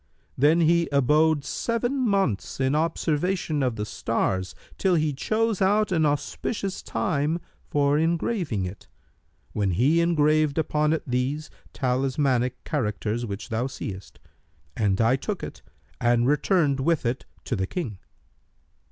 Then he abode seven months in observation of the stars, till he chose out an auspicious time for engraving it, when he graved upon it these talismanic characters which thou seest, and I took it and returned with it to the King.'"